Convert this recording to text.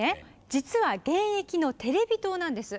実は現役のテレビ塔なんです。